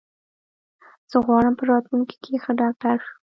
زه غواړم په راتلونکې کې ښه ډاکټر شم.